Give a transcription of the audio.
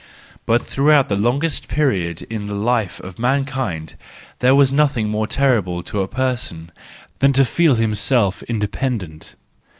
But throughout the longest period in the life of mankind there was nothing more terrible to a person than to feel himself independent.